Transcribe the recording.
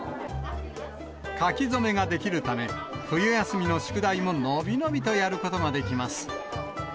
書き初めができるため、冬休みの宿題も伸び伸びとやることができます。